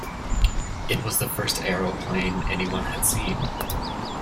It was the first aeroplane anyone had seen.